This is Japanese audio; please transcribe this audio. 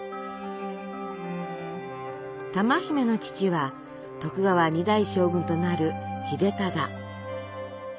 珠姫の父は徳川２代将軍となる秀忠。